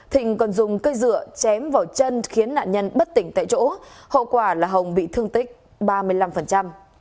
thịnh còn dùng cây dựa chém vào chân khiến nạn nhân bất tỉnh tại chỗ hậu quả là hồng bị thương tích ba mươi năm